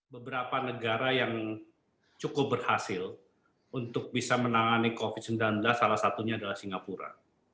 beberapa negara yang cukup berhasil untuk bisa menangani covid sembilan belas salah satunya adalah singapura